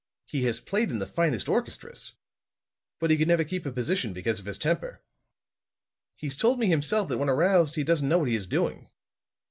He has played in the finest orchestras. But he never could keep a position because of his temper. He's told me himself that when aroused he doesn't know what he is doing."